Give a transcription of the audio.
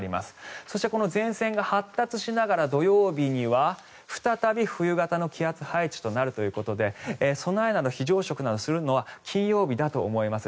そして前線が発達しながら土曜日には再び冬型の気圧配置となるということで非常食などの備えをするのは金曜日だと思います。